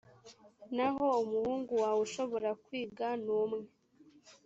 naho umuhungu wawe ushobora kwiga numwe